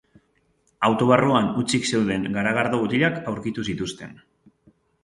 Auto barruan hutsik zeuden garagardo botilak aurkitu zituzten.